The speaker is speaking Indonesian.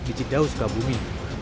dicipt daun sebab bumi